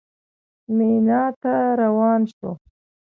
مینا ته روان شوو.